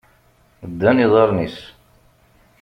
Ddan iḍarren-is!